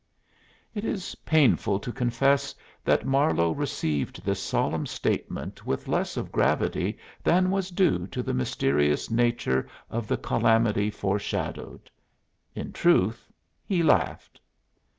It is painful to confess that Marlowe received this solemn statement with less of gravity than was due to the mysterious nature of the calamity foreshadowed. In truth, he laughed.